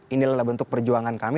ini adalah bentuk perjuangan kami